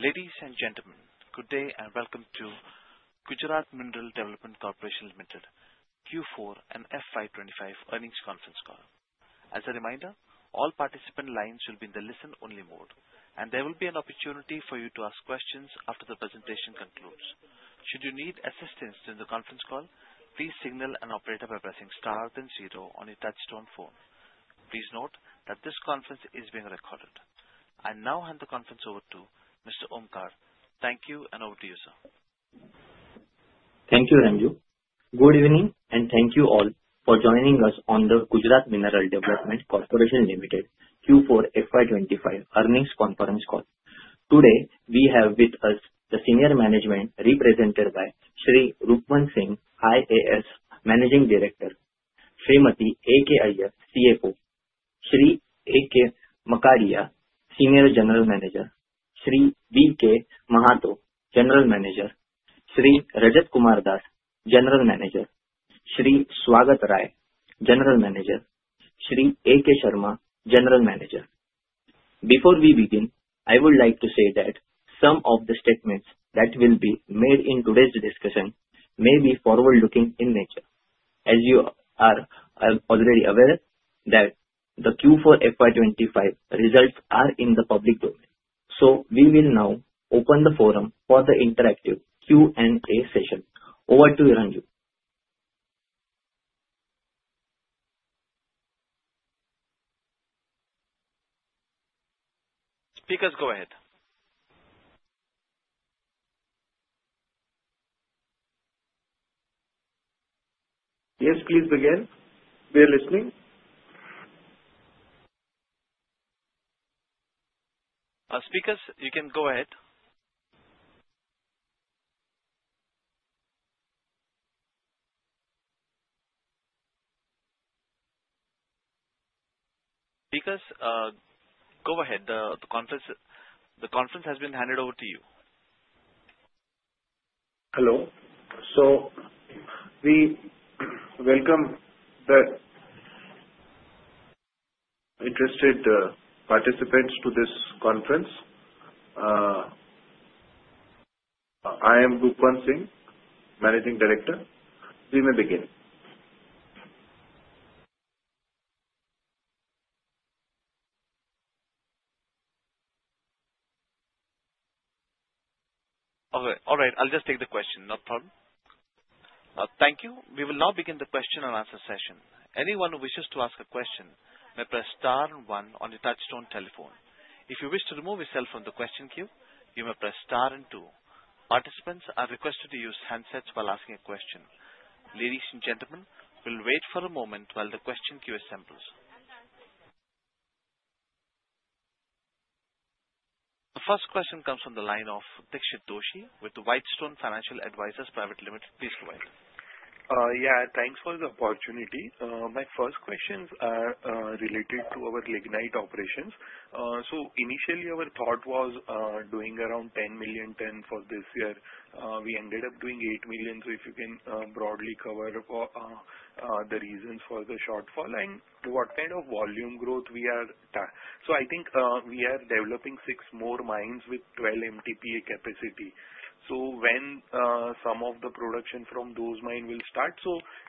Ladies and gentlemen, good day and welcome to Gujarat Mineral Development Corporation Limited, Q4 and FY25 earnings conference call. As a reminder, all participant lines will be in the listen-only mode, and there will be an opportunity for you to ask questions after the presentation concludes. Should you need assistance during the conference call, please signal an operator by pressing star then zero on your touchstone phone. Please note that this conference is being recorded. I now hand the conference over to Mr. Oomkar. Thank you and over to you, sir. Thank you, Ranju. Good evening and thank you all for joining us on the Gujarat Mineral Development Corporation Limited Q4 FY25 earnings conference call. Today we have with us the senior management represented by Shri Roopwant Singh, IAS Managing Director, Shrimati A.K. Iyar CFO, Shri A.K. Makadia, Senior General Manager, Shri B.K. Mahato, General Manager, Shri Rajat Kumar Das, General Manager, Shri Swagat Rai, General Manager, and Shri A.K. Sharma, General Manager. Before we begin, I would like to say that some of the statements that will be made in today's discussion may be forward-looking in nature. As you are already aware that the Q4 FY25 results are in the public domain, we will now open the forum for the interactive Q&A session. Over to you, Ranju. Speakers, go ahead. Yes, please begin. We are listening. Speakers, you can go ahead. The conference has been handed over to you. Hello. We welcome the interested participants to this conference. I am Roopwant Singh, Managing Director. We may begin. All right. I'll just take the question. No problem. Thank you. We will now begin the Q&A session. Anyone who wishes to ask a question may press star and one on the touchstone telephone. If you wish to remove yourself from the question queue, you may press star and two. Participants are requested to use handsets while asking a question. Ladies and gentlemen, we'll wait for a moment while the question queue assembles. The first question comes from the line of Dixit Doshi with Whitestone Financial Advisors Pvt Ltd. Please go ahead. Yeah. Thanks for the opportunity. My first questions are related to our lignite operations. Initially, our thought was doing around 10 million tonne for this year. We ended up doing 8 million. If you can broadly cover the reasons for the shortfall and what kind of volume growth we are. I think we are developing six more mines with 12 MTPA capacity. When some of the production from those mines will start,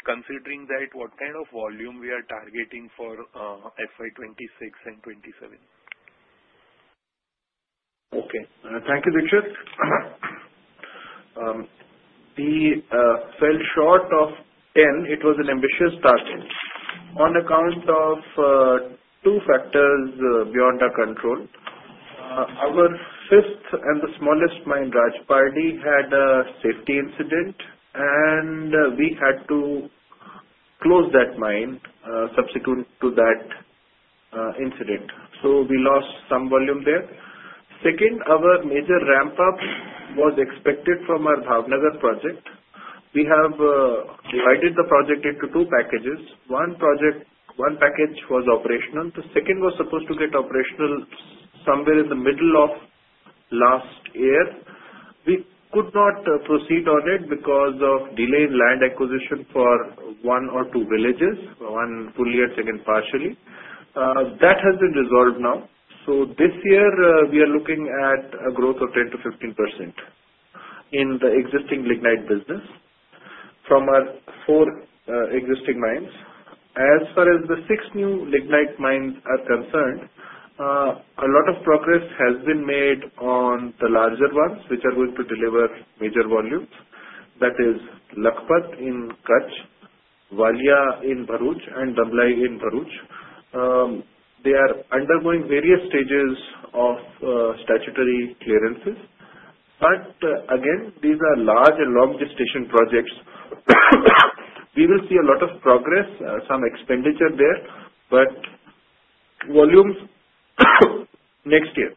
considering that, what kind of volume we are targeting for FY26 and 2027? Okay. Thank you, Dixit. We fell short of 10. It was an ambitious target on account of two factors beyond our control. Our fifth and the smallest mine, Rajpardi, had a safety incident, and we had to close that mine subsequent to that incident. We lost some volume there. Second, our major ramp-up was expected from our Bhavnagar project. We have divided the project into two packages. One package was operational. The second was supposed to get operational somewhere in the middle of last year. We could not proceed on it because of delay in land acquisition for one or two villages, one fully and second partially. That has been resolved now. This year, we are looking at a growth of 10%-15% in the existing lignite business from our four existing mines. As far as the six new lignite mines are concerned, a lot of progress has been made on the larger ones, which are going to deliver major volumes. That is Lakhpat in Kutch, Valia in Bharuch, and Damlai in Bharuch. They are undergoing various stages of statutory clearances. Again, these are large and long-duration projects. We will see a lot of progress, some expenditure there, but volumes next year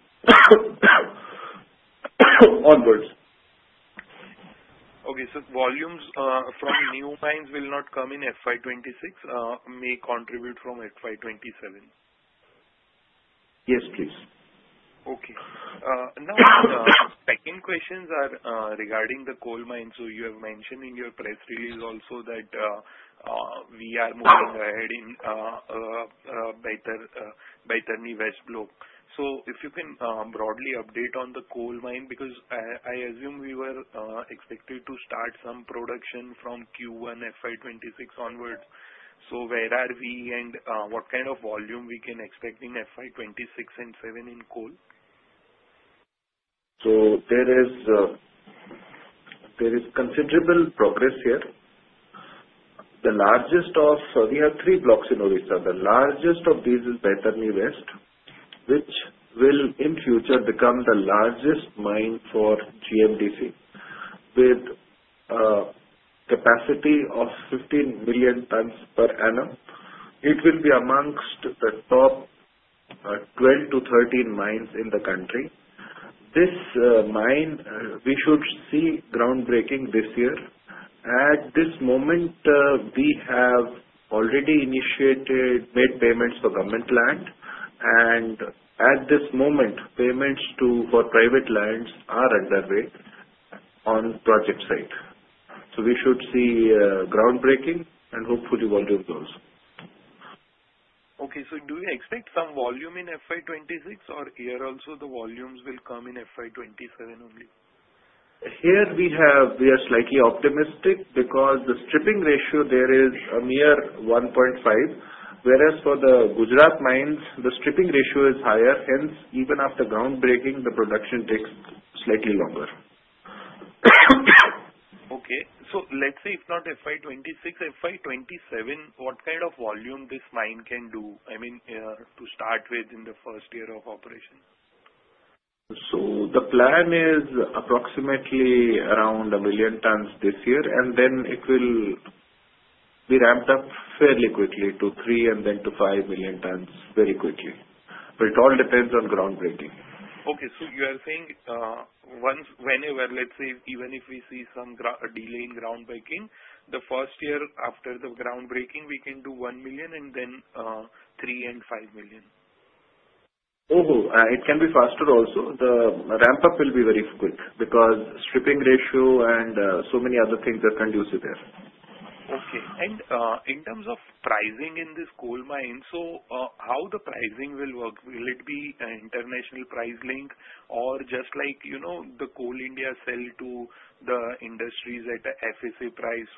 onwards. Okay. So volumes from new mines will not come in FY26. May contribute from FY27. Yes, please. Okay. Now, second questions are regarding the coal mines. You have mentioned in your press release also that we are moving ahead in Baitarani West Block. If you can broadly update on the coal mine because I assume we were expected to start some production from Q1 FY26 onwards. Where are we and what kind of volume we can expect in FY26 and 2027 in coal? There is considerable progress here. The largest of we have three blocks in Odisha. The largest of these is Baitarani West, which will in future become the largest mine for GMDC with a capacity of 15 million tonnes per annum. It will be amongst the top 12-13 mines in the country. This mine, we should see groundbreaking this year. At this moment, we have already initiated made payments for government land. At this moment, payments for private lands are underway on project site. We should see groundbreaking and hopefully volume growth. Okay. Do you expect some volume in FY26, or here also the volumes will come in FY27 only? Here we are slightly optimistic because the stripping ratio there is a mere 1.5, whereas for the Gujarat mines, the stripping ratio is higher. Hence, even after groundbreaking, the production takes slightly longer. Okay. So let's say if not FY26, FY27, what kind of volume this mine can do, I mean, to start with in the first year of operation? The plan is approximately around 1 million tonnes this year, and then it will be ramped up fairly quickly to 3 and then to 5 million tonnes very quickly. It all depends on groundbreaking. Okay. So you are saying whenever, let's say, even if we see some delay in groundbreaking, the first year after the groundbreaking, we can do 1 million and then 3 and 5 million? It can be faster also. The ramp-up will be very quick because stripping ratio and so many other things are conducive there. Okay. In terms of pricing in this coal mine, how will the pricing work? Will it be an international price link or just like Coal India sells to the industries at FSA price?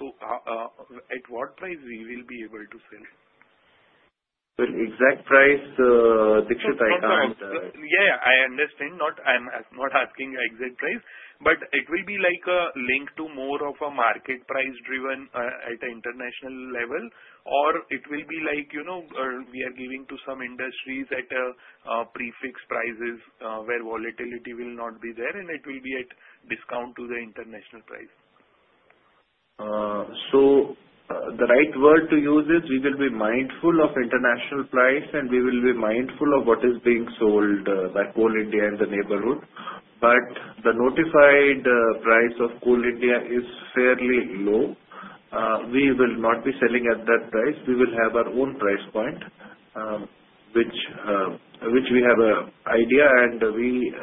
At what price will we be able to sell? Exact price, Dixit, I can't— Yeah, yeah. I understand. I'm not asking exact price, but it will be like a link to more of a market price driven at an international level, or it will be like we are giving to some industries at prefix prices where volatility will not be there, and it will be at discount to the international price. The right word to use is we will be mindful of international price, and we will be mindful of what is being sold by Coal India in the neighborhood. The notified price of Coal India is fairly low. We will not be selling at that price. We will have our own price point, which we have an idea, and we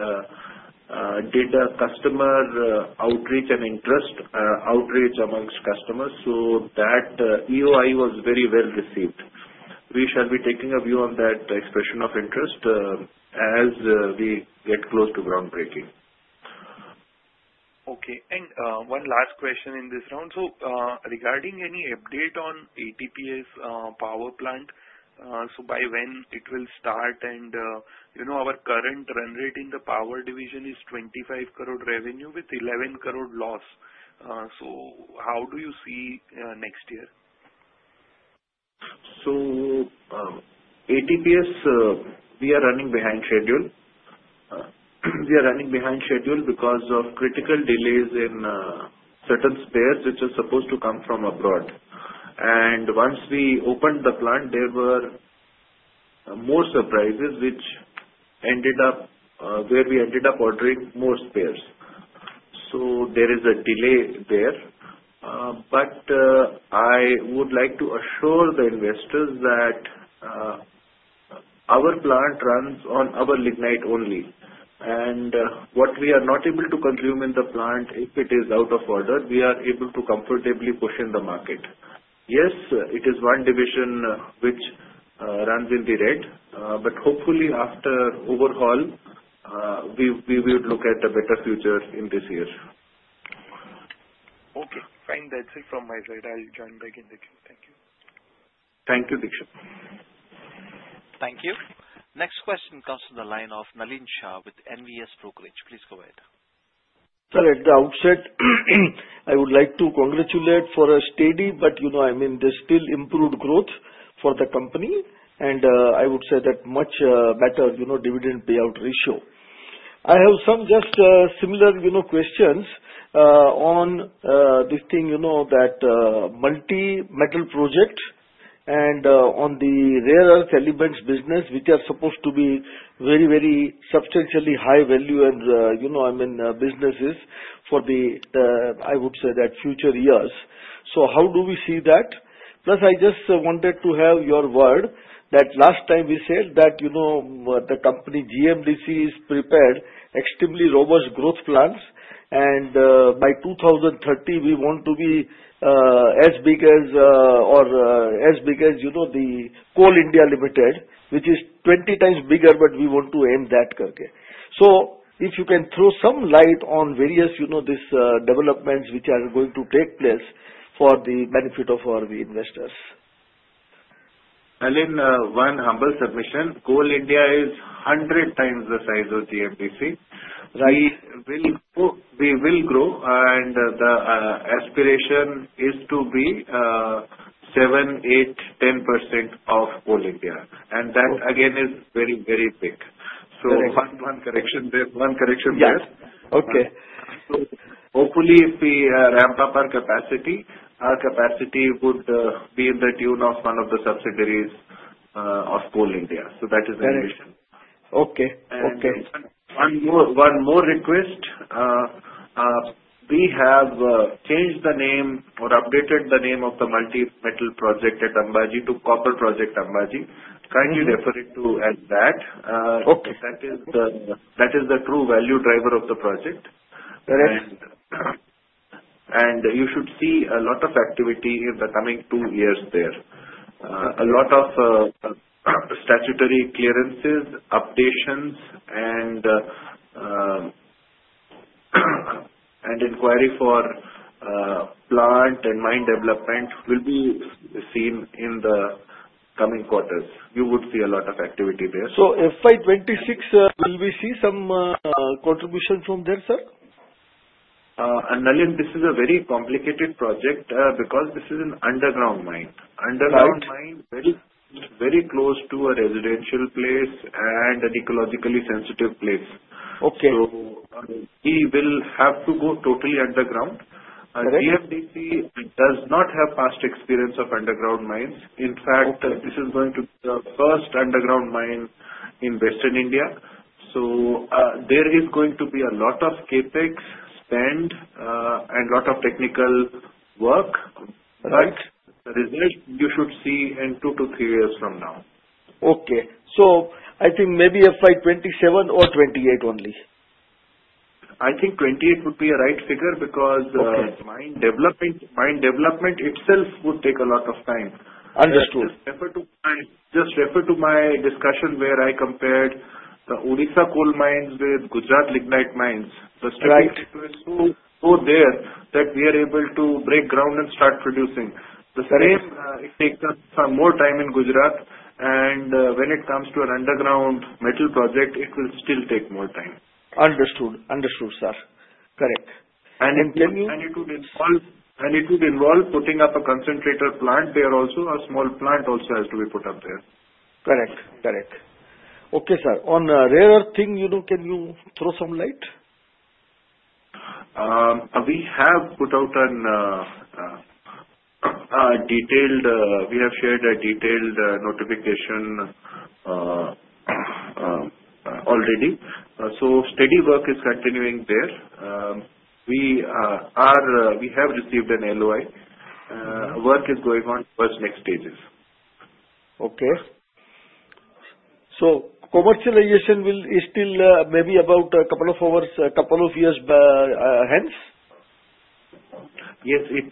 did a customer outreach and interest outreach amongst customers. That EOI was very well received. We shall be taking a view on that expression of interest as we get close to groundbreaking. Okay. One last question in this round. Regarding any update on ATPS power plant, by when will it start? Our current run rate in the power division is 250 million revenue with 110 million loss. How do you see next year? ATPS, we are running behind schedule. We are running behind schedule because of critical delays in certain spares which are supposed to come from abroad. Once we opened the plant, there were more surprises, which ended up where we ended up ordering more spares. There is a delay there. I would like to assure the investors that our plant runs on our lignite only. What we are not able to consume in the plant, if it is out of order, we are able to comfortably push in the market. Yes, it is one division which runs in the red, but hopefully after overhaul, we will look at a better future in this year. Okay. Fine, that's it from my side. I'll join back in the queue. Thank you. Thank you, Dixit. Thank you. Next question comes to the line of Nalin Shah with NVS Brokerage. Please go ahead. Sir, at the outset, I would like to congratulate for a steady, but I mean, there is still improved growth for the company. I would say that much better dividend payout ratio. I have some just similar questions on this thing, that multi-metal project and on the rare earth elements business, which are supposed to be very, very substantially high value and, I mean, businesses for the, I would say, that future years. How do we see that? Plus, I just wanted to have your word that last time we said that the company GMDC is prepared extremely robust growth plans. By 2030, we want to be as big as or as big as Coal India Limited, which is 20 times bigger, but we want to aim that. If you can throw some light on various developments which are going to take place for the benefit of our investors. Nalin, one humble submission. Coal India is 100 times the size of GMDC. We will grow, and the aspiration is to be 7%, 8%, 10% of Coal India. That, again, is very, very big. One correction there. One correction there. Yes. Okay. Hopefully, if we ramp up our capacity, our capacity would be in the tune of one of the subsidiaries of Coal India. That is the ambition. Okay. Okay. One more request. We have changed the name or updated the name of the multi-metal project at Ambanji to Copper Project Ambanji. Kindly refer to it as that. That is the true value driver of the project. You should see a lot of activity in the coming two years there. A lot of statutory clearances, updations, and inquiry for plant and mine development will be seen in the coming quarters. You would see a lot of activity there. FY26, will we see some contribution from there, sir? Nalin, this is a very complicated project because this is an underground mine. Underground mine is very close to a residential place and an ecologically sensitive place. We will have to go totally underground. GMDC does not have past experience of underground mines. In fact, this is going to be the first underground mine in Western India. There is going to be a lot of CapEx spend and a lot of technical work, but the result you should see in two to three years from now. Okay. So I think maybe FY27 or 2028 only. I think 2028 would be a right figure because mine development itself would take a lot of time. Understood. Just refer to my discussion where I compared the Odisha coal mines with Gujarat lignite mines. The stripping ratio is so there that we are able to break ground and start producing. The same, it takes us some more time in Gujarat, and when it comes to an underground metal project, it will still take more time. Understood. Understood, sir. Correct. It would involve putting up a concentrator plant there also. A small plant also has to be put up there. Correct. Correct. Okay, sir. On rare earth thing, can you throw some light? We have shared a detailed notification already. Steady work is continuing there. We have received an LOI. Work is going on towards next stages. Okay. So commercialization will still maybe about a couple of years, a couple of years ahead? Yes. It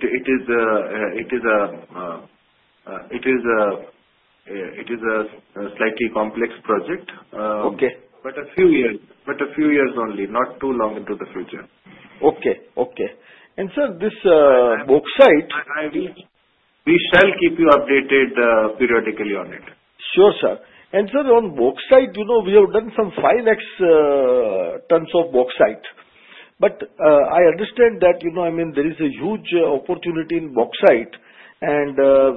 is a slightly complex project, but a few years only, not too long into the future. Okay. Okay. And sir, this bauxite. We shall keep you updated periodically on it. Sure, sir. Sir, on bauxite, we have done some 5x tonnes of bauxite. I understand that, I mean, there is a huge opportunity in bauxite.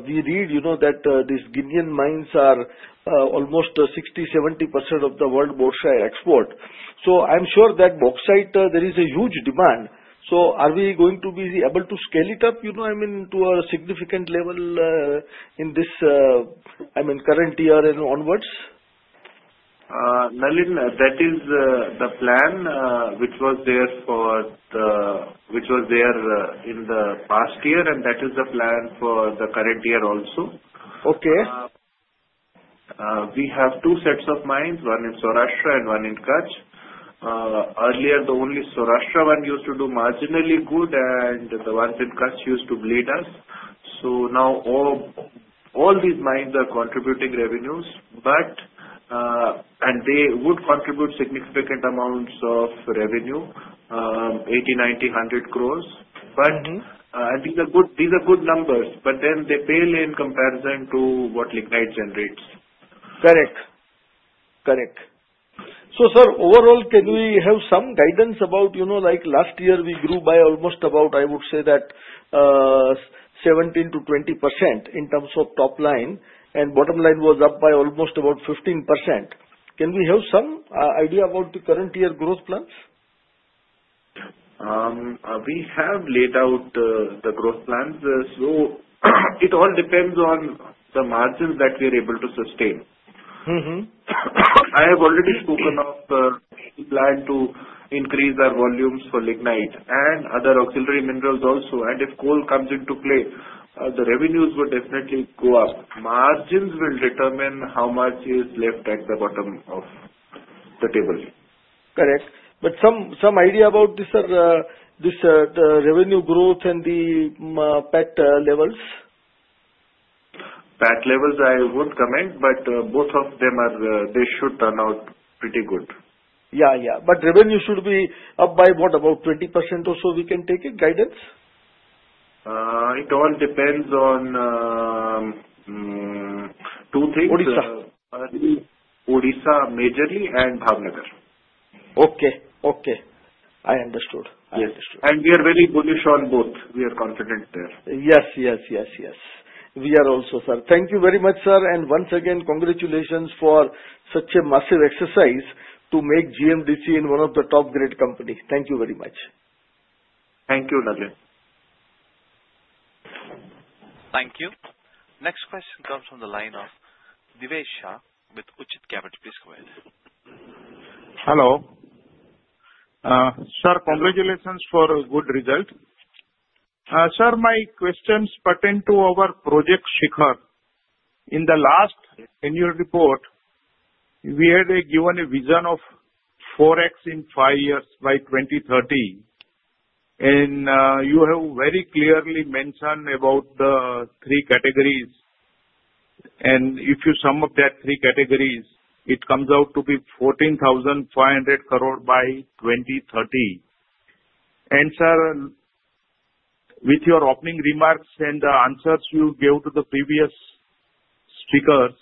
We read that these Guinean mines are almost 60%-70% of the world bauxite export. I am sure that bauxite, there is a huge demand. Are we going to be able to scale it up, I mean, to a significant level in this current year and onwards? Nalin, that is the plan which was there in the past year, and that is the plan for the current year also. Okay. We have two sets of mines, one in Saurashtra and one in Kutch. Earlier, the only Saurashtra one used to do marginally good, and the ones in Kutch used to bleed us. Now all these mines are contributing revenues, and they would contribute significant amounts of revenue, 80 crore/INR 90 crore/INR 100 crore. These are good numbers, but they pale in comparison to what lignite generates. Correct. Correct. Sir, overall, can we have some guidance about last year we grew by almost about, I would say, that 17%-20% in terms of top line, and bottom line was up by almost about 15%. Can we have some idea about the current year growth plans? We have laid out the growth plans. It all depends on the margins that we are able to sustain. I have already spoken of the plan to increase our volumes for lignite and other auxiliary minerals also. If coal comes into play, the revenues would definitely go up. Margins will determine how much is left at the bottom of the table. Correct. Some idea about this, sir, the revenue growth and the PAT levels? PAT levels, I won't comment, but both of them, they should turn out pretty good. Yeah, yeah. Revenue should be up by what, about 20% or so we can take a guidance? It all depends on two things. Odisha. Odisha majorly and Bhavnagar. Okay. I understood. We are very bullish on both. We are confident there. Yes, sir. Thank you very much, sir. Once again, congratulations for such a massive exercise to make GMDC one of the top-grade companies. Thank you very much. Thank you, Nalin. Thank you. Next question comes from the line of Divesh Shah with [Uchit Kabra]. Please go ahead. Hello. Sir, congratulations for a good result. Sir, my questions pertain to our project Shikhar. In the last 10-year report, we had given a vision of 4x in five years by 2030. You have very clearly mentioned about the three categories. If you sum up that three categories, it comes out to be 14,500 crore by 2030. Sir, with your opening remarks and the answers you gave to the previous speakers,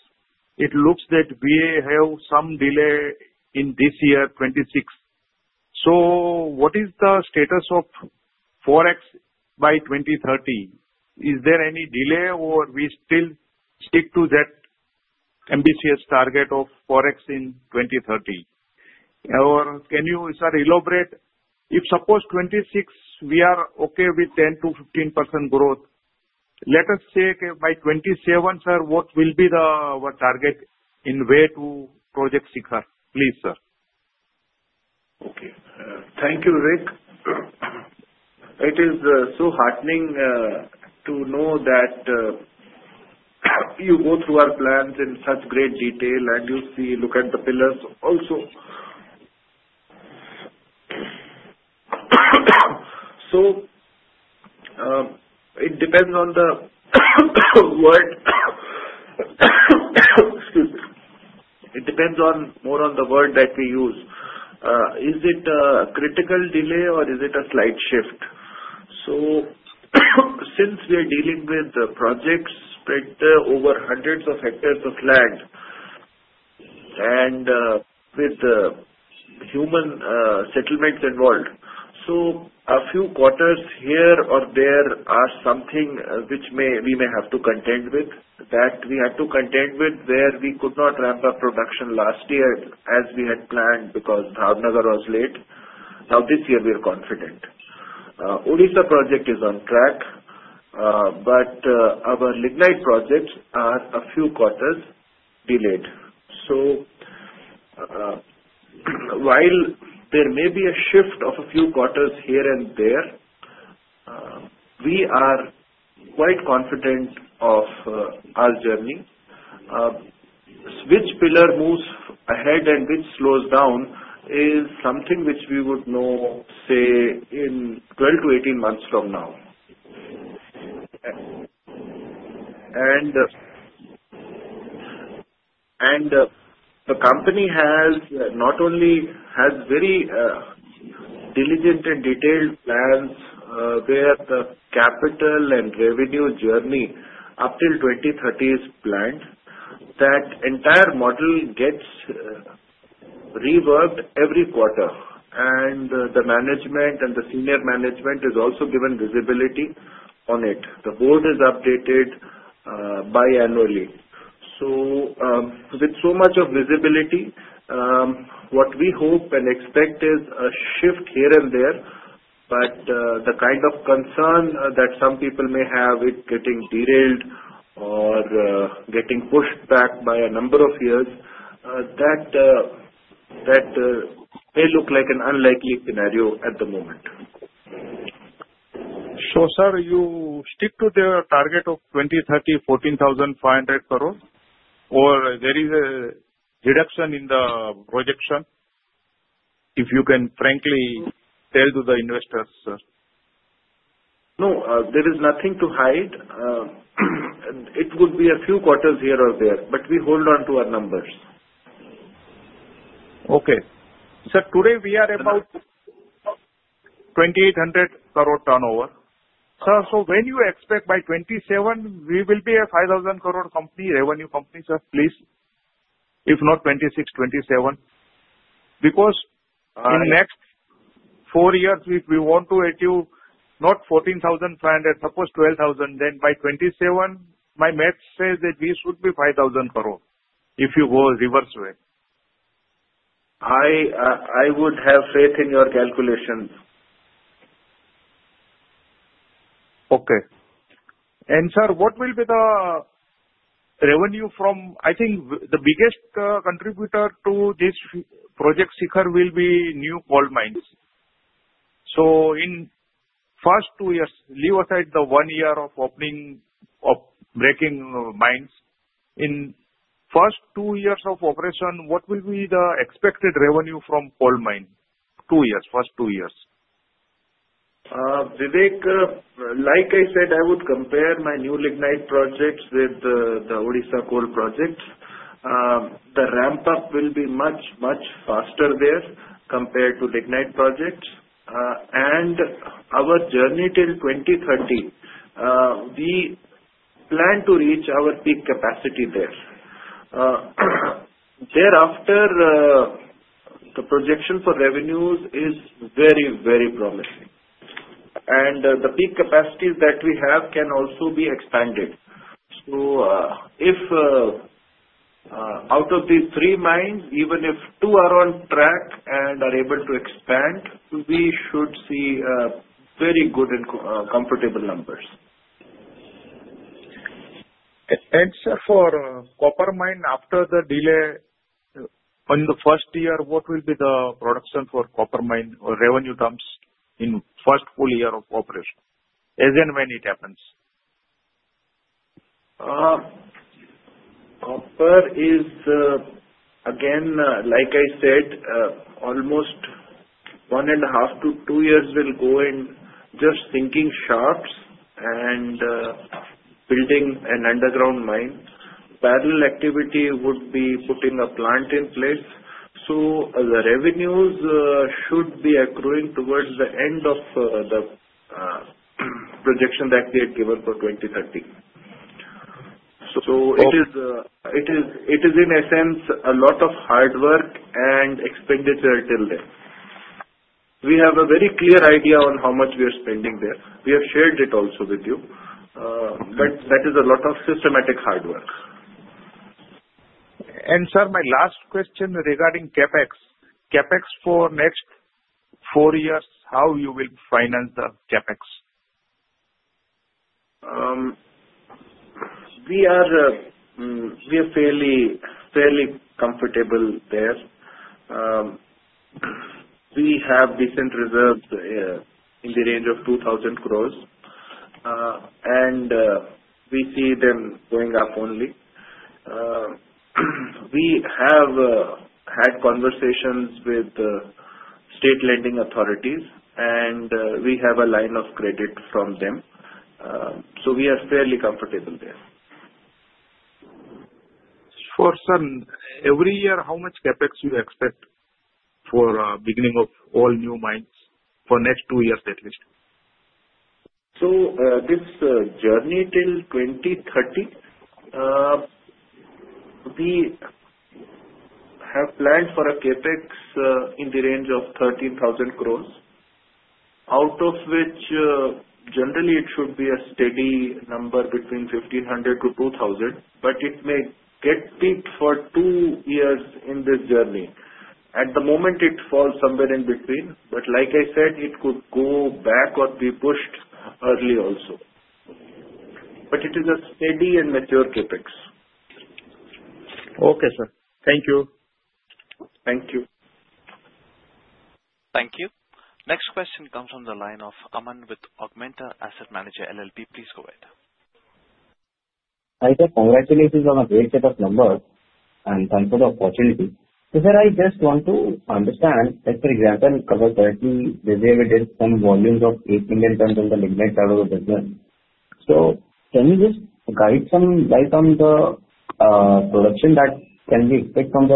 it looks that we have some delay in this year, 2026. What is the status of 4x by 2030? Is there any delay, or do we still stick to that ambitious target of 4x in 2030? Can you, sir, elaborate? If suppose 2026, we are okay with 10%-15% growth, let us say by 2027, sir, what will be our target in way to project Shikhar? Please, sir. Okay. Thank you, Divesh. It is so heartening to know that you go through our plans in such great detail, and you look at the pillars also. It depends on the word. Excuse me. It depends more on the word that we use. Is it a critical delay, or is it a slight shift? Since we are dealing with projects spread over hundreds of hectares of land and with human settlements involved, a few quarters here or there are something which we may have to contend with. That we have to contend with where we could not ramp up production last year as we had planned because Bhavnagar was late. This year, we are confident. Odisha project is on track, but our lignite projects are a few quarters delayed. While there may be a shift of a few quarters here and there, we are quite confident of our journey. Which pillar moves ahead and which slows down is something which we would know, say, in 12-18 months from now. The company not only has very diligent and detailed plans where the capital and revenue journey up till 2030 is planned, that entire model gets reworked every quarter. The management and the senior management is also given visibility on it. The board is updated biannually. With so much visibility, what we hope and expect is a shift here and there. The kind of concern that some people may have with getting derailed or getting pushed back by a number of years, that may look like an unlikely scenario at the moment. Sir, you stick to the target of 2030, 14,500 crore, or there is a reduction in the projection if you can frankly tell to the investors, sir? No. There is nothing to hide. It would be a few quarters here or there, but we hold on to our numbers. Okay. Sir, today we are about 2,800 crore turnover. Sir, so when you expect by 2027, we will be a 5,000 crore revenue company, sir? Please. If not 2026, 2027. Because in the next four years, if we want to achieve not 14,500, suppose 12,000, then by 2027, my math says that we should be 5,000 crore if you go reverse way. I would have faith in your calculations. Okay. Sir, what will be the revenue from, I think the biggest contributor to this project Shikhar will be new coal mines. In the first two years, leave aside the one year of opening or breaking mines. In the first two years of operation, what will be the expected revenue from coal mine? Two years, first two years. Vivek, like I said, I would compare my new lignite projects with the Odisha coal projects. The ramp-up will be much, much faster there compared to lignite projects. Our journey till 2030, we plan to reach our peak capacity there. Thereafter, the projection for revenues is very, very promising. The peak capacity that we have can also be expanded. If out of these three mines, even if two are on track and are able to expand, we should see very good and comfortable numbers. Sir, for copper mine, after the delay in the first year, what will be the production for copper mine or revenue terms in the first full year of operation? As and when it happens. Copper is, again, like I said, almost one and a half to two years will go in just sinking shafts and building an underground mine. Parallel activity would be putting a plant in place. The revenues should be accruing towards the end of the projection that we had given for 2030. It is, in a sense, a lot of hard work and expenditure till there. We have a very clear idea on how much we are spending there. We have shared it also with you. That is a lot of systematic hard work. Sir, my last question regarding CapEx. CapEx for next four years, how you will finance the CapEx? We are fairly comfortable there. We have decent reserves in the range of 2,000 crore, and we see them going up only. We have had conversations with the state lending authorities, and we have a line of credit from them. So we are fairly comfortable there. Sir, every year, how much CapEx do you expect for the beginning of all new mines for the next two years at least? This journey till 2030, we have planned for a CapEx in the range of 13,000 crore, out of which generally it should be a steady number between 1,500 crore-2,000 crore. It may get peaked for two years in this journey. At the moment, it falls somewhere in between. Like I said, it could go back or be pushed early also. It is a steady and mature CapEx. Okay, sir. Thank you. Thank you. Thank you. Next question comes from the line of Aman with Augmenta Asset Manager LLP. Please go ahead. Hi sir, congratulations on a great set of numbers and thank you for the opportunity. Sir, I just want to understand that, for example, in 2030, we did some volumes of 8 million tonnes in the lignite shadow business. Can you just guide some guys on the production that can be expected from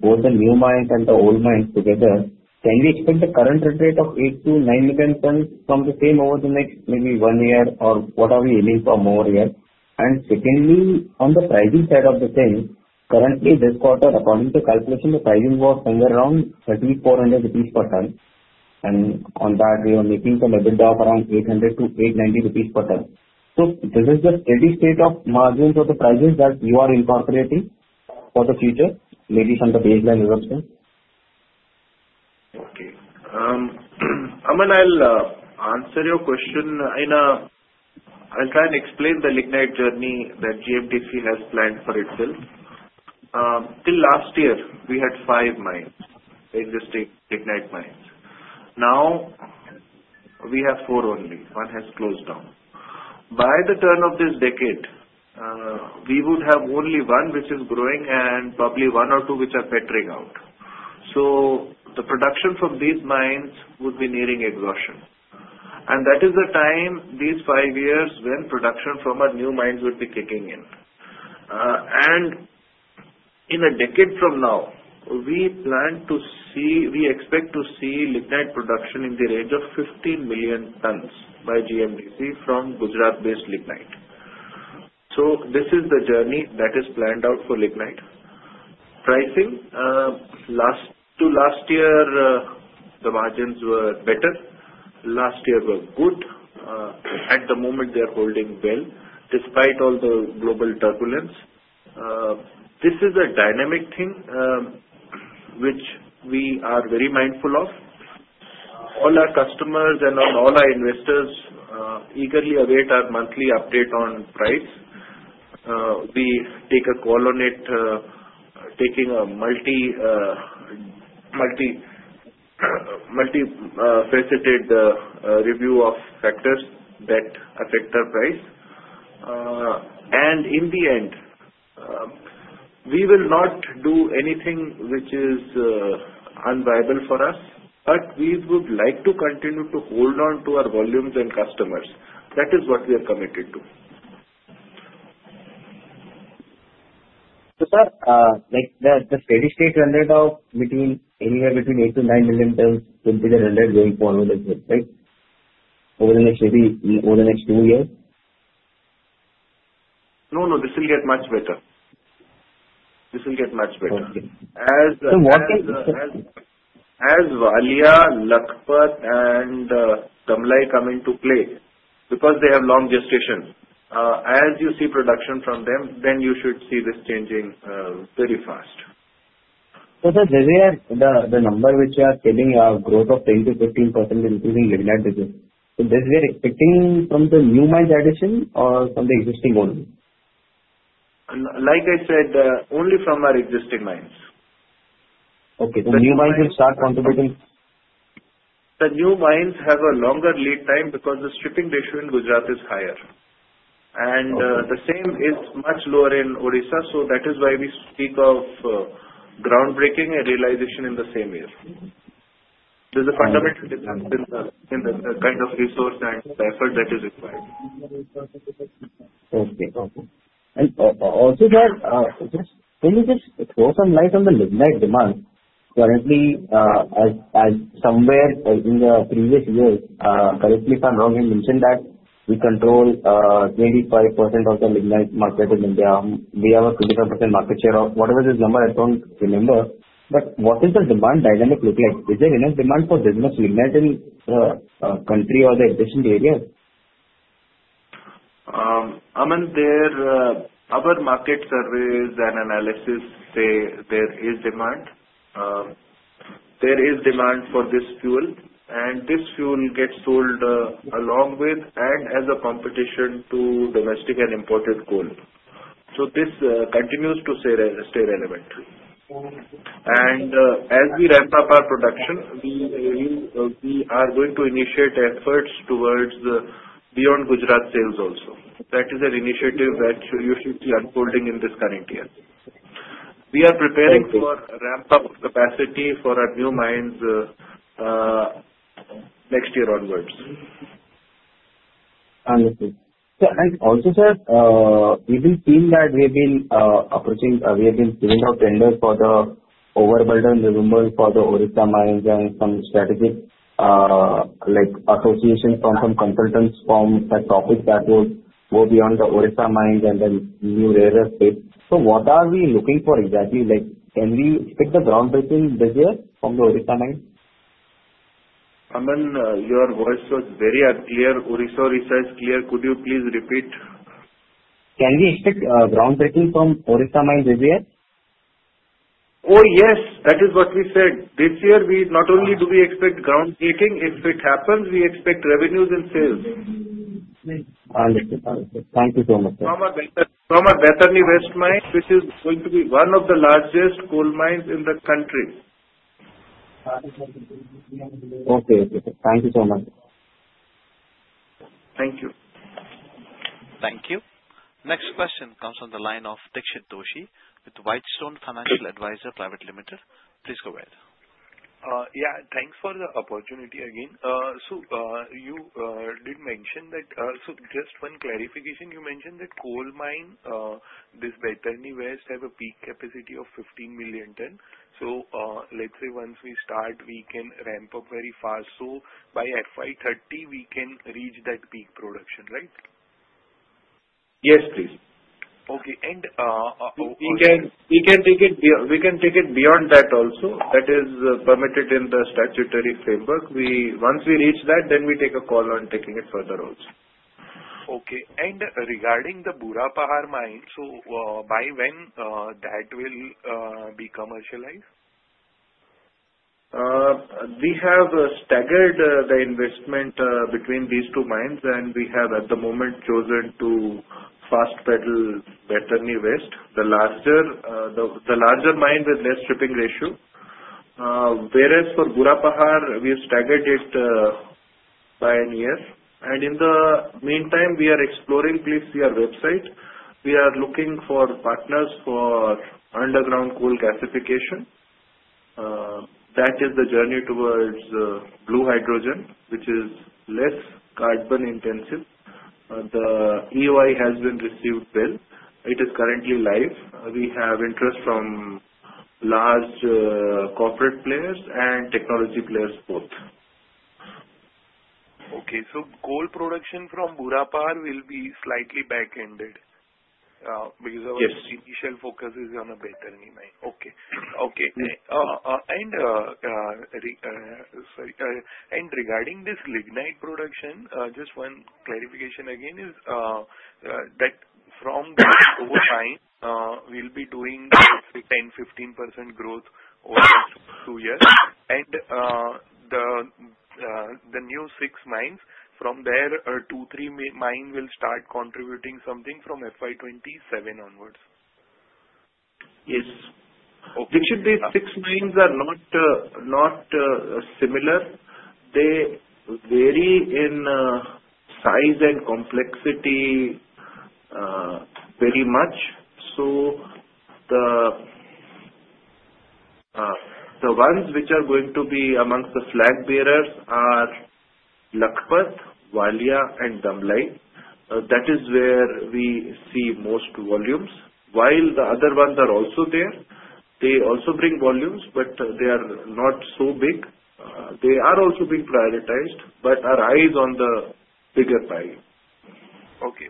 both the new mines and the old mines together? Can we expect the current rate of 8-9 million tonnes from the same over the next maybe one year or what are we aiming for more here? Secondly, on the pricing side of the thing, currently, this quarter, according to calculation, the pricing was somewhere around 3,400 rupees per ton. On that, we are making some above around 800-890 rupees per ton. Is this the steady state of margins or the prices that you are incorporating for the future, maybe from the baseline results? Okay. Aman, I'll answer your question. I'll try and explain the lignite journey that GMDC has planned for itself. Till last year, we had five mines, existing lignite mines. Now, we have four only. One has closed down. By the turn of this decade, we would have only one which is growing and probably one or two which are petering out. So the production from these mines would be nearing exhaustion. That is the time these five years when production from our new mines would be kicking in. In a decade from now, we plan to see, we expect to see lignite production in the range of 15 million tonnes by GMDC from Gujarat-based lignite. This is the journey that is planned out for lignite. Pricing? Last to last year, the margins were better. Last year were good. At the moment, they are holding well despite all the global turbulence. This is a dynamic thing which we are very mindful of. All our customers and all our investors eagerly await our monthly update on price. We take a call on it, taking a multifaceted review of factors that affect our price. In the end, we will not do anything which is unviable for us, but we would like to continue to hold on to our volumes and customers. That is what we are committed to. Sir, the steady state rendered out between anywhere between 8-9 million tonnes will be the rendered going forward as well, right? Over the next maybe over the next two years? No, no. This will get much better. As Valia, Lakhpat, and Kamlay come into play, because they have long gestations, as you see production from them, then you should see this changing very fast. Sir, this is the number which you are telling, our growth of 10%-15% including late-night business. This we are expecting from the new mines addition or from the existing only? Like I said, only from our existing mines. Okay. So new mines will start contributing? The new mines have a longer lead time because the stripping ratio in Gujarat is higher. The same is much lower in Odisha, so that is why we speak of groundbreaking realization in the same year. There is a fundamental difference in the kind of resource and the effort that is required. Okay. Also, sir, can you just throw some light on the lignite demand? Currently, as somewhere in the previous years, correct me if I'm wrong, you mentioned that we control 25% of the lignite market in India. We have a 25% market share of whatever this number, I don't remember. What does the demand dynamic look like? Is there enough demand for business lignite in the country or the existing areas? Aman, our market surveys and analysis say there is demand. There is demand for this fuel. This fuel gets sold along with and as a competition to domestic and imported coal. This continues to stay relevant. As we ramp up our production, we are going to initiate efforts towards beyond Gujarat sales also. That is an initiative that you should see unfolding in this current year. We are preparing for ramp-up capacity for our new mines next year onwards. Understood. Sir, we will see that we have been approaching, we have been giving out tenders for the overburden removals for the Odisha mines and some strategic associations from some consultants from a topic that will go beyond the Odisha mines and then new rare earth space. What are we looking for exactly? Can we expect the groundbreaking this year from the Odisha mines? Aman, your voice was very unclear. Odisha is clear. Could you please repeat? Can we expect groundbreaking from Odisha mines this year? Oh, yes. That is what we said. This year, not only do we expect groundbreaking, if it happens, we expect revenues and sales. Understood. Understood. Thank you so much, sir. From a Baitarani West mine, which is going to be one of the largest coal mines in the country. Okay. Okay. Thank you so much. Thank you. Thank you. Next question comes from the line of Dixit Doshi with Whitestone Financial Advisors Pvt Ltd. Please go ahead. Yeah. Thanks for the opportunity again. You did mention that, just one clarification. You mentioned that coal mine, this Baitarani West, has a peak capacity of 15 million tonnes. Let's say once we start, we can ramp up very fast. By FY30, we can reach that peak production, right? Yes, please. Okay. And. We can take it beyond that also. That is permitted in the statutory framework. Once we reach that, then we take a call on taking it further also. Okay. Regarding the Bhurapahar mine, by when will that be commercialized? We have staggered the investment between these two mines, and we have at the moment chosen to fast-pedal Baitarani West, the larger mine with less stripping ratio. Whereas for Bhurapahar, we have staggered it by a year. In the meantime, we are exploring, please see our website. We are looking for partners for underground coal gasification. That is the journey towards blue hydrogen, which is less carbon intensive. The EOI has been received well. It is currently live. We have interest from large corporate players and technology players both. Okay. So coal production from Bhurapahar will be slightly back-ended because our initial focus is on a Baitarani mine. Okay. Okay. And regarding this lignite production, just one clarification again is that from over time, we'll be doing 10%-15% growth over the next two years. And the new six mines, from there, two-three mines will start contributing something from FY27 onwards. Yes. Okay. Which of these six mines are not similar? They vary in size and complexity very much. The ones which are going to be amongst the flag bearers are Lakhpat, Valia, and Damlai. That is where we see most volumes. While the other ones are also there, they also bring volumes, but they are not so big. They are also being prioritized, but our eyes are on the bigger pie. Okay.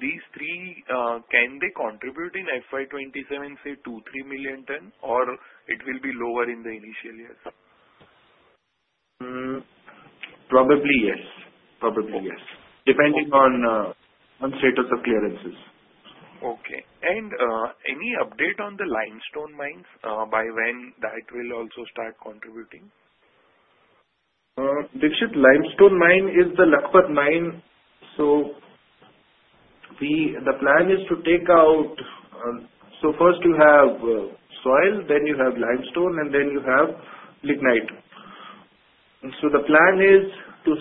These three, can they contribute in FY27, say, 2-3 million tonne, or it will be lower in the initial years? Probably yes. Probably yes. Depending on the state of the clearances. Okay. Any update on the Limestone mines? By when that will also start contributing? Dixit, limestone mine is the Lakhpat mine. The plan is to take out, so first you have soil, then you have limestone, and then you have lignite. The plan is to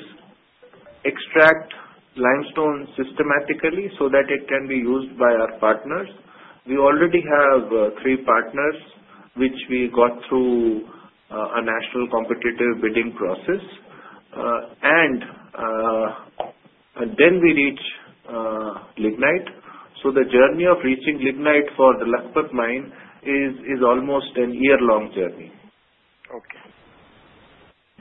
extract limestone systematically so that it can be used by our partners. We already have three partners which we got through a national competitive bidding process. Then we reach lignite. The journey of reaching lignite for the Lakhpat mine is almost a year-long journey.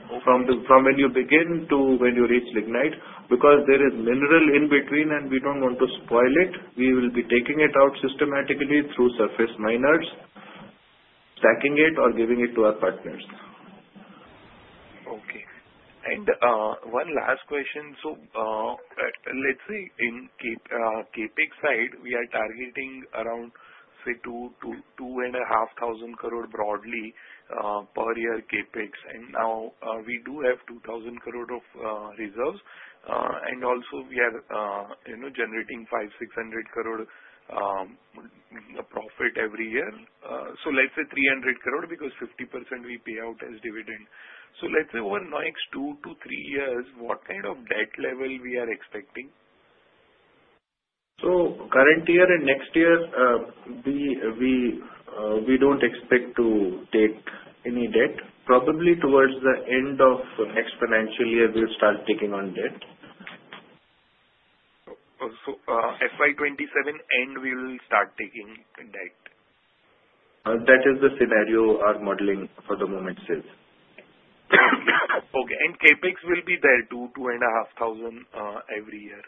Okay. From when you begin to when you reach late-night, because there is mineral in between and we do not want to spoil it, we will be taking it out systematically through surface miners, stacking it, or giving it to our partners. Okay. One last question. Let's say on the CapEx side, we are targeting around 2,500 crore broadly per year CapEx. Now we do have 2,000 crore of reserves, and also we are generating 500 crore-600 crore profit every year. Let's say 300 crore because 50% we pay out as dividend. Over the next two-three years, what kind of debt level are we expecting? Current year and next year, we don't expect to take any debt. Probably towards the end of next financial year, we'll start taking on debt. FY27 end, we will start taking debt? That is the scenario our modeling for the moment says. Okay. And CapEx will be there too, 2,500 million every year?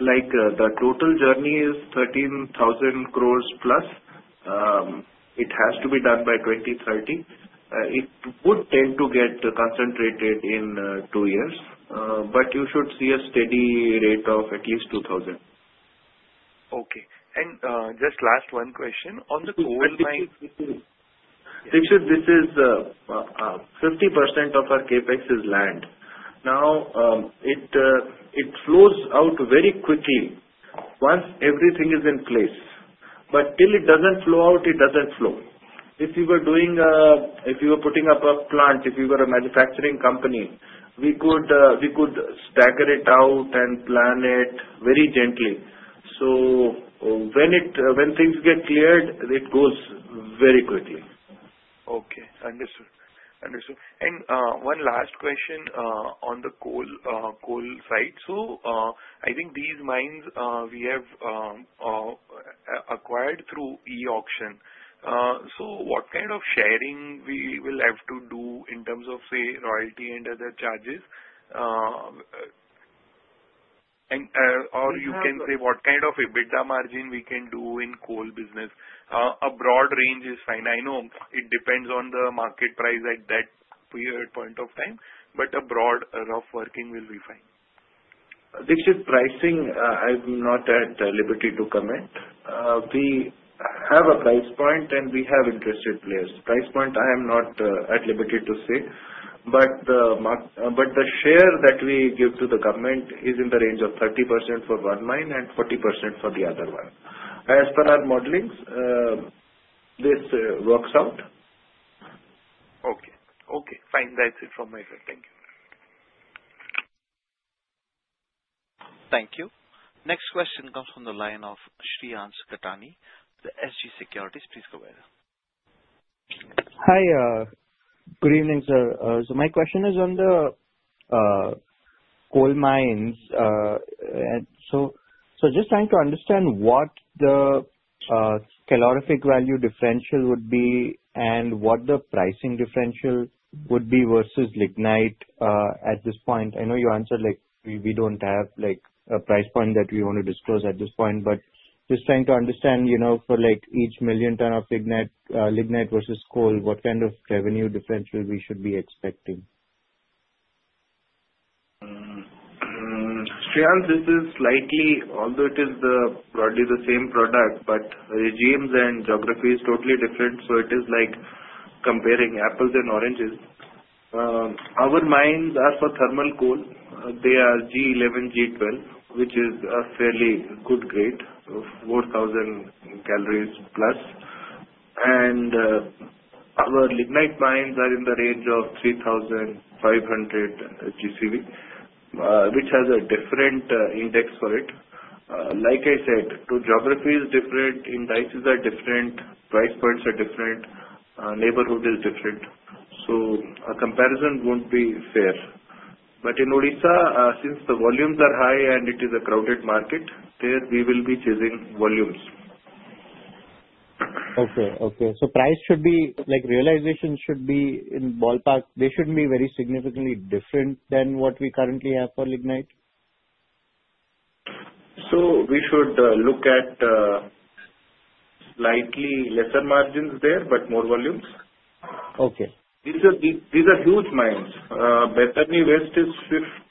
The total journey is 13,000 crore plus. It has to be done by 2030. It would tend to get concentrated in two years, but you should see a steady rate of at least 2,000 crore. Okay. Just last one question. On the coal mine. Dixit, this is 50% of our CapEx is land. Now, it flows out very quickly once everything is in place. If you were putting up a plant, if you were a manufacturing company, we could stagger it out and plan it very gently. When things get cleared, it goes very quickly. Okay. Understood. Understood. One last question on the coal side. I think these mines we have acquired through e-auction. What kind of sharing will we have to do in terms of, say, royalty and other charges? Or you can say what kind of EBITDA margin we can do in coal business? A broad range is fine. I know it depends on the market price at that point of time, but a broad rough working will be fine. Dixit, pricing, I'm not at liberty to comment. We have a price point and we have interested players. Price point, I am not at liberty to say. The share that we give to the government is in the range of 30% for one mine and 40% for the other one. As per our modelings, this works out. Okay. Okay. Fine. That's it from my side. Thank you. Thank you. Next question comes from the line of Shreyansh Gathani, the SG Securities. Please go ahead. Hi. Good evening, sir. My question is on the coal mines. Just trying to understand what the calorific value differential would be and what the pricing differential would be versus lignite at this point. I know you answered we do not have a price point that we want to disclose at this point, but just trying to understand for each million tonne of lignite versus coal, what kind of revenue differential we should be expecting. S, this ihreyanshs slightly, although it is broadly the same product, but regimes and geographies totally different. It is like comparing apples and oranges. Our mines are for thermal coal. They are G11, G12, which is a fairly good grade, 4,000 calories plus. Our lignite mines are in the range of 3,500 GCV, which has a different index for it. Like I said, geography is different, indices are different, price points are different, neighborhood is different. A comparison will not be fair. In Odisha, since the volumes are high and it is a crowded market, there we will be chasing volumes. Okay. Okay. So price should be, realization should be in ballpark, they should be very significantly different than what we currently have for lignite? We should look at slightly lesser margins there, but more volumes. Okay. These are huge mines. Baitarni West is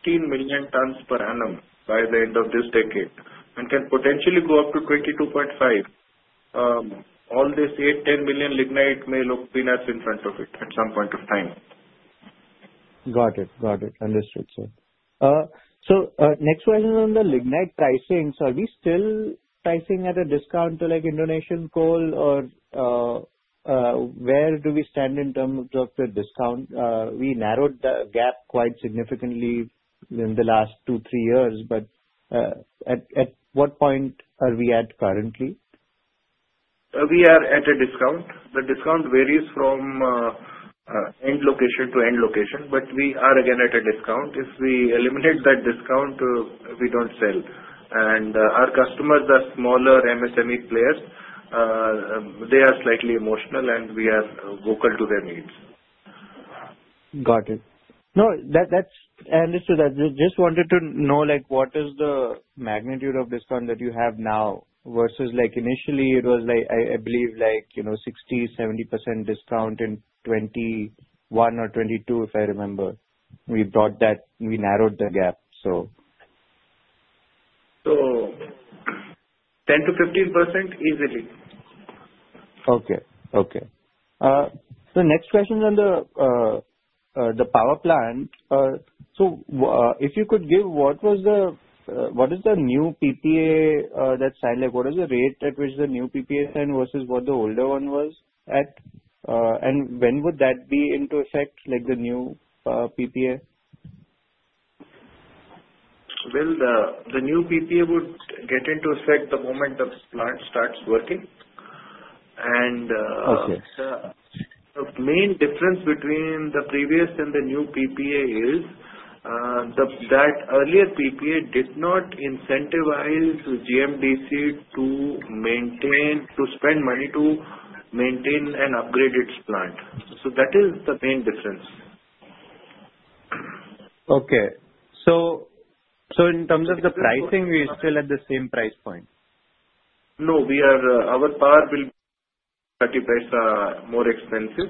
15 million tonnes per annum by the end of this decade and can potentially go up to 22.5. All this 8/10 million lignite may look peanuts in front of it at some point of time. Got it. Got it. Understood, sir. Next question on the lignite pricing. Are we still pricing at a discount to Indonesian coal, or where do we stand in terms of the discount? We narrowed the gap quite significantly in the last two, three years, but at what point are we at currently? We are at a discount. The discount varies from end location to end location, but we are again at a discount. If we eliminate that discount, we do not sell. Our customers are smaller MSME players. They are slightly emotional, and we are vocal to their needs. Got it. No, I understood that. Just wanted to know what is the magnitude of discount that you have now versus initially it was, I believe, 60%-70% discount in 2021 or 2022, if I remember. We brought that, we narrowed the gap, so. 10%-15% easily. Okay. Okay. Next question on the power plant. If you could give, what is the new PPA that's signed? What is the rate at which the new PPA signed versus what the older one was at? When would that be into effect, the new PPA? The new PPA would get into effect the moment the plant starts working. The main difference between the previous and the new PPA is that earlier PPA did not incentivize GMDC to spend money to maintain and upgrade its plant. That is the main difference. Okay. So in terms of the pricing, we are still at the same price point? No, our power will be 30% more expensive,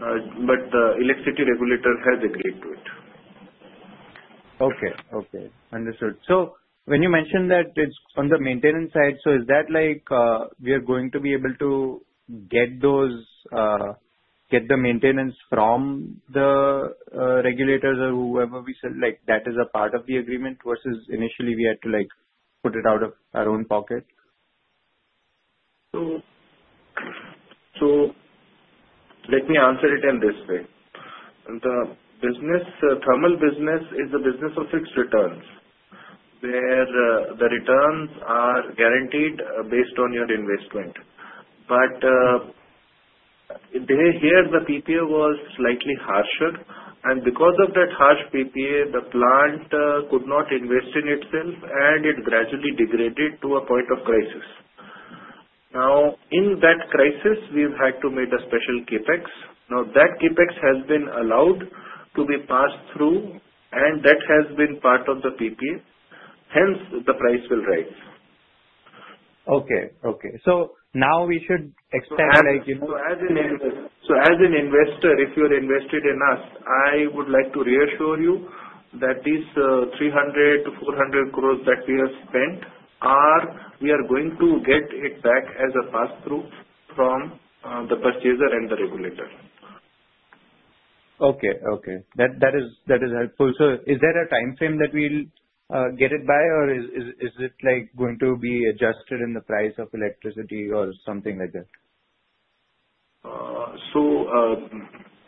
but the electricity regulator has agreed to it. Okay. Okay. Understood. When you mentioned that it's on the maintenance side, is that we are going to be able to get the maintenance from the regulators or whoever we sell? That is a part of the agreement versus initially we had to put it out of our own pocket? Let me answer it in this way. The thermal business is a business of fixed returns where the returns are guaranteed based on your investment. Here the PPA was slightly harsher. Because of that harsh PPA, the plant could not invest in itself, and it gradually degraded to a point of crisis. In that crisis, we've had to make a special CapEx. That CapEx has been allowed to be passed through, and that has been part of the PPA. Hence, the price will rise. Okay. Okay. So now we should expand your. As an investor, if you're invested in us, I would like to reassure you that these 300 crore-400 crore that we have spent are we are going to get it back as a pass-through from the purchaser and the regulator. Okay. Okay. That is helpful. Is there a time frame that we'll get it by, or is it going to be adjusted in the price of electricity or something like that?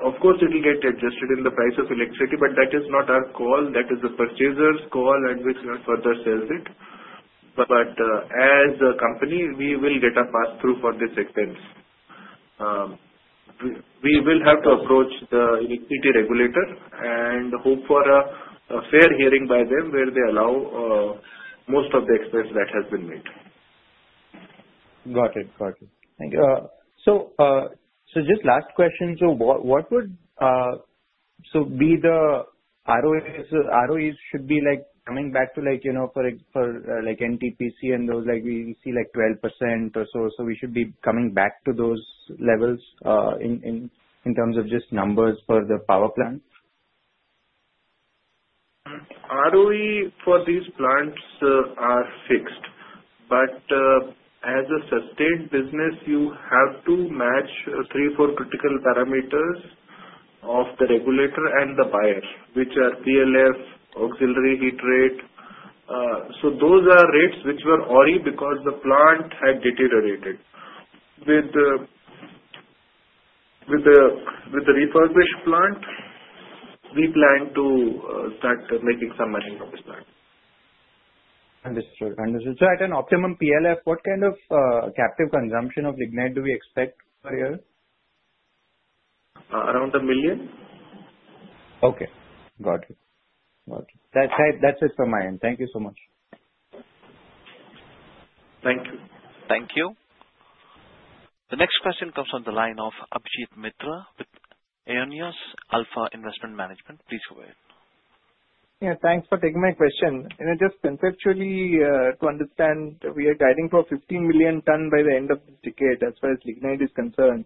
Of course, it will get adjusted in the price of electricity, but that is not our call. That is the purchaser's call at which he further sells it. As a company, we will get a pass-through for this expense. We will have to approach the electricity regulator and hope for a fair hearing by them where they allow most of the expense that has been made. Got it. Got it. Thank you. Just last question. What would be the ROEs? ROEs should be coming back to, for NTPC and those, we see 12% or so. We should be coming back to those levels in terms of just numbers for the power plant? ROE for these plants are fixed. As a sustained business, you have to match three or four critical parameters of the regulator and the buyer, which are PLF, auxiliary, heat rate. Those are rates which were ORI because the plant had deteriorated. With the refurbished plant, we plan to start making some money on this plant. Understood. Understood. At an optimum PLF, what kind of captive consumption of lignite do we expect per year? Around a million. Okay. Got it. Got it. That's it from my end. Thank you so much. Thank you. Thank you. The next question comes from the line of Abhijit Mitra with Aionios Alpha Investment Management. Please go ahead. Yeah. Thanks for taking my question. Just conceptually to understand, we are guiding for 15 million tonne by the end of this decade as far as lignite is concerned.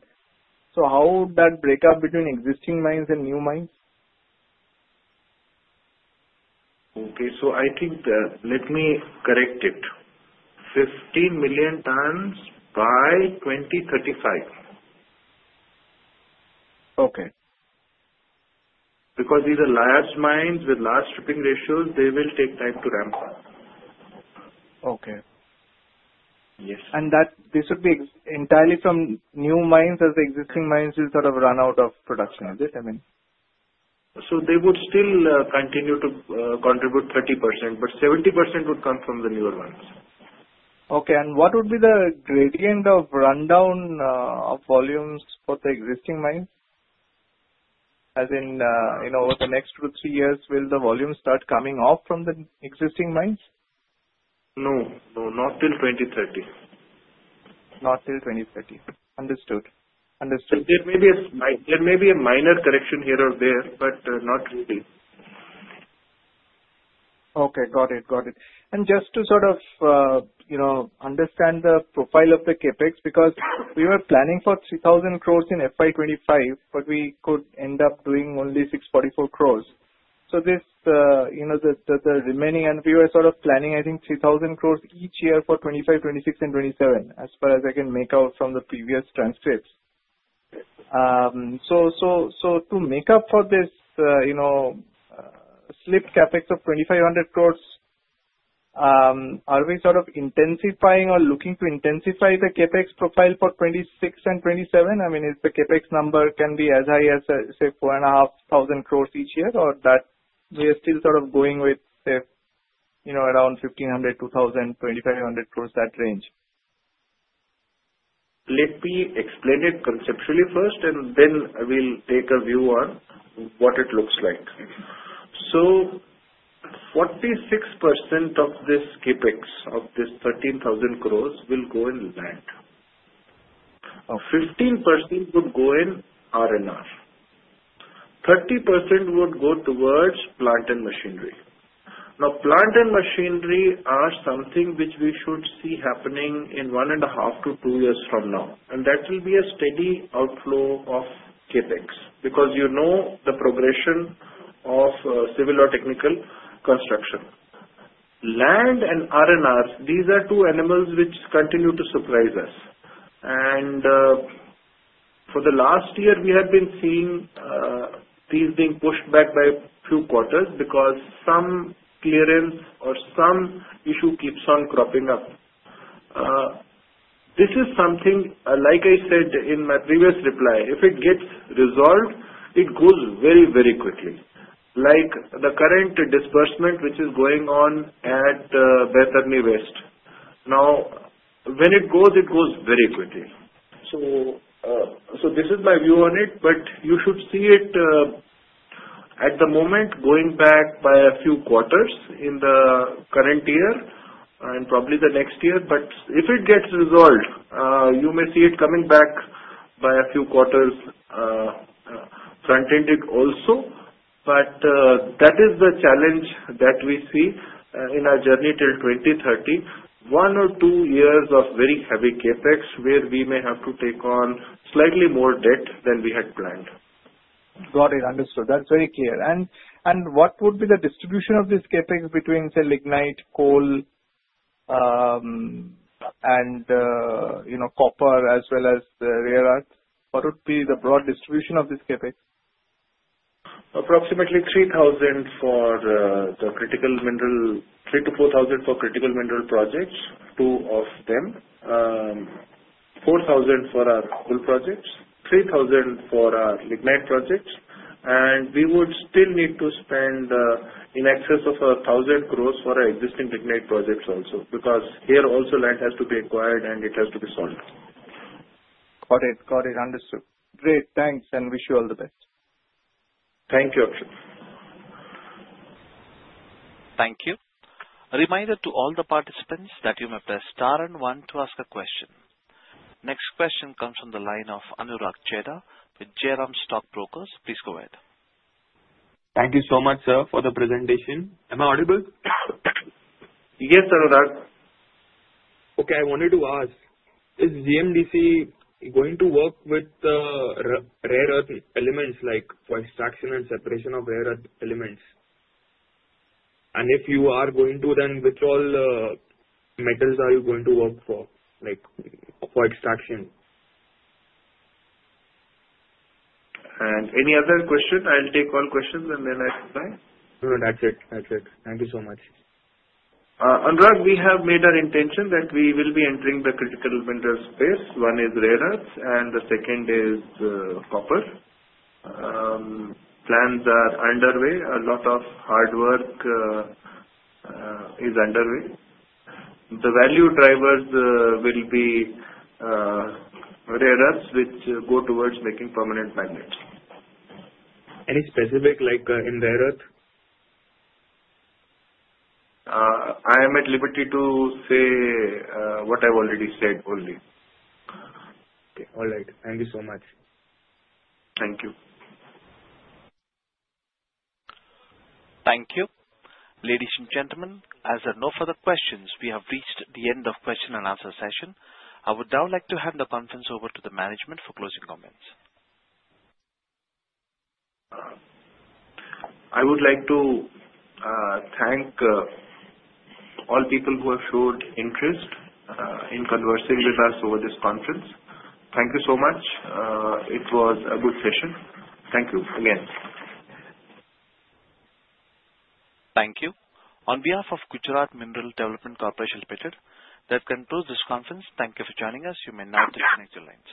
How would that break up between existing mines and new mines? Okay. So I think let me correct it. 15 million tonnes by 2035. Okay. Because these are large mines with large stripping ratios, they will take time to ramp up. Okay. Yes. This would be entirely from new mines as the existing mines will sort of run out of production, is it? I mean. They would still continue to contribute 30%, but 70% would come from the newer ones. Okay. What would be the gradient of rundown of volumes for the existing mines? As in over the next two to three years, will the volumes start coming off from the existing mines? No. No. Not till 2030. Not till 2030. Understood. Understood. There may be a minor correction here or there, but not really. Okay. Got it. Got it. And just to sort of understand the profile of the CapEx, because we were planning for 3,000 crore in FY25, but we could end up doing only 644 crore. So the remaining and we were sort of planning, I think, 3,000 crore each year for 2025, 2026, and 2027 as far as I can make out from the previous transcripts. To make up for this slipped CapEx of 2,500 crore, are we sort of intensifying or looking to intensify the CapEx profile for 2026 and 2027? I mean, if the CapEx number can be as high as, say, 4,500 crore each year, or we are still sort of going with, say, around 1,500 crore-2,000 crore-INR 2,500 crore, that range? Let me explain it conceptually first, and then we'll take a view on what it looks like. So 46% of this CapEx, of this 13,000 crore, will go in land. 15% would go in R&R. 30% would go towards plant and machinery. Now, plant and machinery are something which we should see happening in one and a half to two years from now. And that will be a steady outflow of CapEx because you know the progression of civil or technical construction. Land and R&R, these are two animals which continue to surprise us. For the last year, we have been seeing these being pushed back by a few quarters because some clearance or some issue keeps on cropping up. This is something, like I said in my previous reply, if it gets resolved, it goes very, very quickly. Like the current disbursement which is going on at Baitarani West. Now, when it goes, it goes very quickly. So this is my view on it, but you should see it at the moment going back by a few quarters in the current year and probably the next year. But if it gets resolved, you may see it coming back by a few quarters front-ended also. That is the challenge that we see in our journey till 2030. One or two years of very heavy CapEx where we may have to take on slightly more debt than we had planned. Got it. Understood. That is very clear. What would be the distribution of this CapEx between, say, lignite, coal, and copper as well as rare earth? What would be the broad distribution of this CapEx? Approximately 3,000 crore for the critical mineral, INR 3,000crore -4,000 crore for critical mineral projects, two of them. 4,000 crore for our coal projects, 3,000 crore for our lignite projects. We would still need to spend in excess of 1,000 crore for our existing lignite projects also because here also land has to be acquired, and it has to be sold. Got it. Got it. Understood. Great. Thanks. Wish you all the best. Thank you. Thank you. Reminder to all the participants that you may press star and one to ask a question. Next question comes from the line of Anurag Chheda with Jay Ram Stock Brokers. Please go ahead. Thank you so much, sir, for the presentation. Am I audible? Yes, Anurag. Okay. I wanted to ask, is GMDC going to work with rare earth elements like for extraction and separation of rare earth elements? And if you are going to, then which all metals are you going to work for extraction? Any other question? I'll take all questions and then I'll reply. No, that's it. That's it. Thank you so much. Anurag, we have made our intention that we will be entering the critical mineral space. One is rare earth, and the second is copper. Plans are underway. A lot of hard work is underway. The value drivers will be rare earths which go towards making permanent magnets. Any specific in rare earth? I am at liberty to say what I've already said only. Okay. All right. Thank you so much. Thank you. Thank you. Ladies and gentlemen, as there are no further questions, we have reached the end of the Q&A session. I would now like to hand the conference over to the management for closing comments. I would like to thank all people who have showed interest in conversing with us over this conference. Thank you so much. It was a good session. Thank you again. Thank you. On behalf of Gujarat Mineral Development Corporation Limited, that concludes this conference. Thank you for joining us. You may now disconnect your lines.